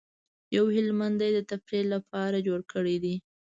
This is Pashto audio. یو هلمندي د تفریح لپاره جوړ کړی دی.